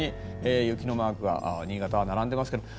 雪のマークが新潟は並んでいまして。